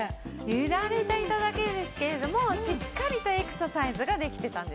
揺られていただけですけれどもしっかりとエクササイズができてたんですね。